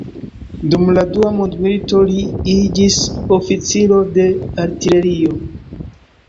Dum la Dua Mondmilito, li iĝis oficiro de artilerio.